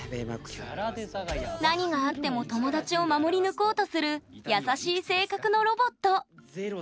何があっても友達を守り抜こうとする優しい性格のロボット。